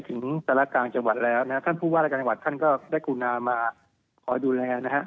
ถึงศาลกลางจังหวัดแล้วท่านพูดว่าศาลกลางจังหวัดท่านก็ได้กุณามาขอดูแลนะครับ